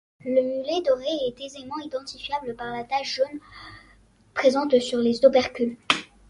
Le mulet doré est aisément identifiable par la tache jaune présente sur les opercules.